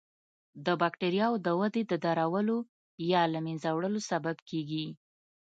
د بکټریاوو د ودې د درولو یا له منځه وړلو سبب کیږي.